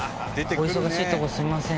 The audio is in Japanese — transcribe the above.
お忙しいとこすいません。